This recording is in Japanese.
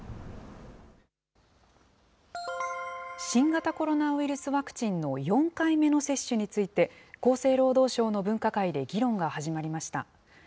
新型コロナウイルスワクチンの４回目の接種について、厚生労働省の分科会で議論が始まりました。